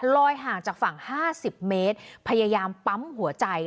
ห่างจากฝั่ง๕๐เมตรพยายามปั๊มหัวใจ